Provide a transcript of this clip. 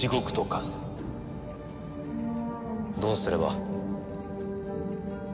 どうすれば？